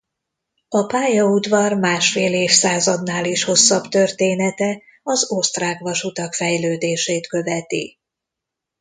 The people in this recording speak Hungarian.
A pályaudvar másfél évszázadnál is hosszabb története az osztrák vasutak fejlődését követi.